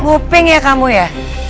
bupeng ya kamu ya